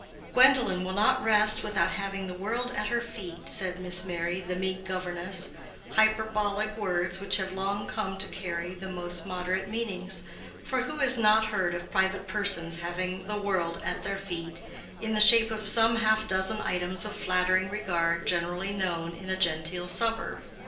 "Gwendolen will not rest without having the world at her feet," said Miss Merry, the meek governess: hyperbolical words which have long come to carry the most moderate meanings; for who has not heard of private persons having the world at their feet in the shape of some half dozen items of flattering regard generally known in a genteel suburb?